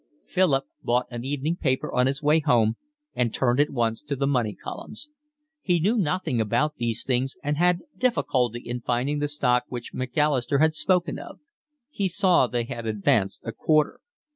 Philip bought an evening paper on his way home and turned at once to the money columns. He knew nothing about these things and had difficulty in finding the stock which Macalister had spoken of. He saw they had advanced a quarter.